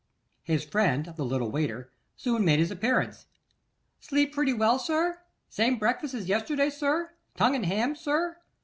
His friend, the little waiter, soon made his appearance. 'Slept pretty well, sir? Same breakfast as yesterday, sir? Tongue and ham, sir?